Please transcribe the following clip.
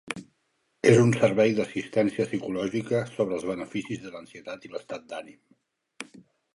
És un servei d'assistència psicològica sobre els beneficis de l'ansietat i l'estat d'ànim.